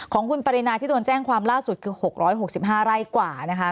ของคุณปรินาที่โดนแจ้งความล่าสุดคือ๖๖๕ไร่กว่านะคะ